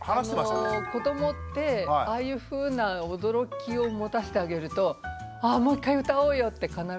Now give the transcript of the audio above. あの子どもってああいうふうな驚きを持たしてあげるとあもう一回歌おうよって必ず言うんです。